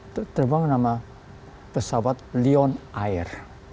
terbang nama pesawat lion air